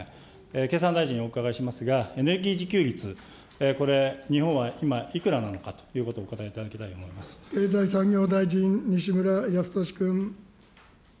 経産大臣にお伺いしますが、エネルギー自給率、これ、日本は今、いくらなのかということをお答え経済産業大臣、西村康稔君。